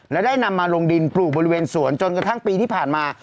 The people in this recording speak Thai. และได้นำมาลงดินปลูกบริเวณสวนจนกระทั่งปีที่ผ่านมา